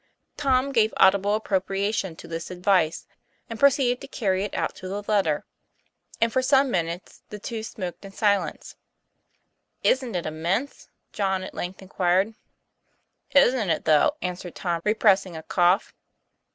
Tom gave audible approbation to this advice, and proceeded to carry it out to the letter; and for some minutes the two smoked in silence. "Isn't it immense?" John at length inquired. " Isn't it though ?" answered Tom, repressing a cough.